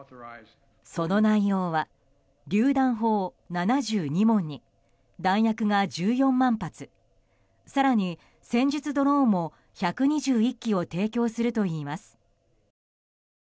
その内容は、りゅう弾砲７２門に弾薬が１４万発更に戦術ドローンも１２１機を提供するといいます。